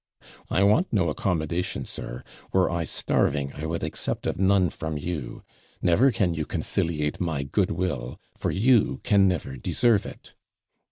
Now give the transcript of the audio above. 'I want no accommodation, sir, were I starving, I would accept of none from you. Never can you conciliate my goodwill; for you can never deserve it.'